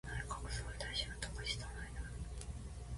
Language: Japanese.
内閣総理大臣は高市早苗である。